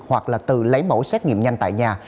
hoặc là tự lấy mẫu xét nghiệm nhanh tại nhà